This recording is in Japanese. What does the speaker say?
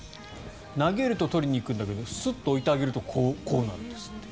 投げると取りに行くんだけどスッと置いてあげるとこうなるんですって。